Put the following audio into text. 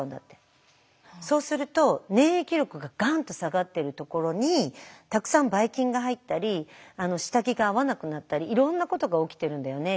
そうすると免疫力がガンッと下がってるところにたくさんばい菌が入ったり下着が合わなくなったりいろんなことが起きてるんだよね実は。